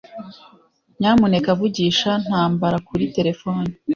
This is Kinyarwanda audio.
Nyamuneka vugisha Ntambara kuri terefone.